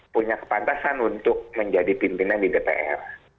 punya kepantasan untuk menjadi pimpinan di dpr